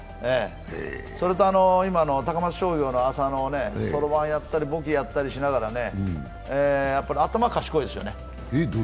それと、今の高松商業の浅野、そろばんやったり簿記やったりしながら、頭賢いですよね。